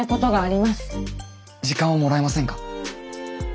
時間をもらえませんか？